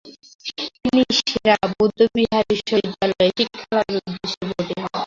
তিনি সে-রা বৌদ্ধবিহার বিশ্ববিদ্যালয়ে শিক্ষালাভের উদ্দেশ্যে ভর্তি হন।